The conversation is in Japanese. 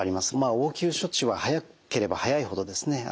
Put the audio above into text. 応急処置は早ければ早いほどですね